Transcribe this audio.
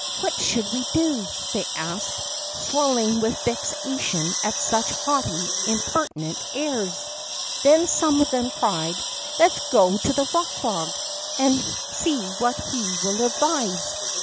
What shall we do ?" they asked, swell ing with vexation at such haughty, impertinent airs. Then some of them cried : Let us go to the Eock Frog, and see what he will advise!